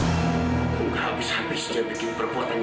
aku nggak habis habisnya bikin perbuatan